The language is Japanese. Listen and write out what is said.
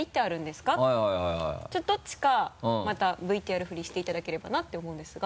どちらかまたＶＴＲ振りしていただければなって思うんですが。